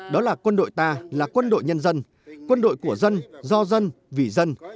đó là quân đội ta là quân đội nhân dân quân đội của dân do dân vì dân